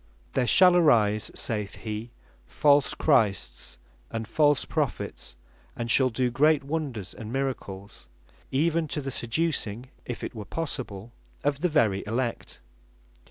"There shall arise," (saith he) "false Christs, and false Prophets, and shall doe great wonders and miracles, even to the seducing (if it were possible) of the very Elect."